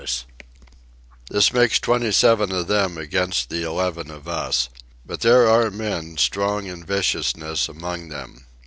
This makes twenty seven of them against the eleven of us. But there are men, strong in viciousness, among them.